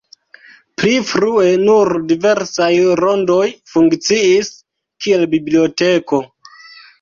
Pli frue nur diversaj rondoj funkciis, kiel biblioteko.